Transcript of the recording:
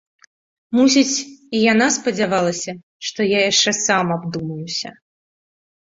Мусіць, і яна спадзявалася, што я яшчэ сам абдумаюся.